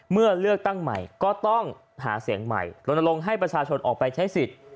เมื่อเลือกตั้งใหม่ก็ต้องหาเสียงใหม่ลนลงให้ประชาชนออกไปใช้สิทธิ์